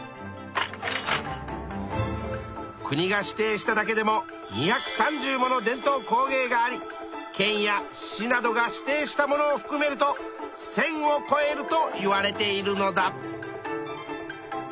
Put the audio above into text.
国が指定しただけでも２３０もの伝統工芸があり県や市などが指定したものをふくめると１，０００をこえるといわれているのだ。